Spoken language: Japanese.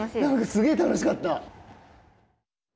すげえ楽しかった。